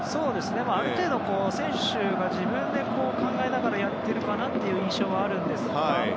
ある程度選手が自分で考えながらやっている印象はあるんですが。